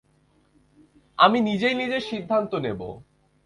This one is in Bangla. আমি নিজেই নিজের সিদ্ধান্ত নেবো।